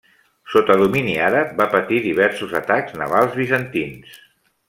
Sota domini àrab va patir diversos atacs navals bizantins.